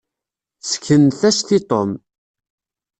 Seknet-as-t i Tom.